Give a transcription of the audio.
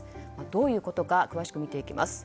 どういうことか詳しく見ていきます。